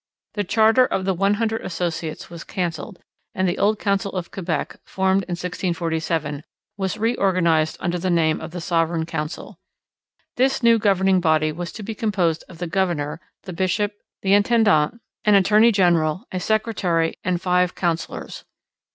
The charter of the One Hundred Associates was cancelled and the old Council of Quebec formed in 1647 was reorganized under the name of the Sovereign Council. This new governing body was to be composed of the governor, the bishop, the intendant, an attorney general, a secretary, and five councillors.